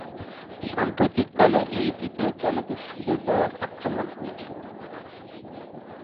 সাম্প্রতিককালে এই দ্বীপে জলদস্যুদের দ্বারা আক্রমণ হয়েছে।